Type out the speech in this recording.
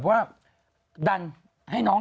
อยากกันเยี่ยม